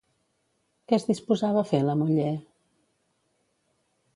Què es disposava a fer la muller?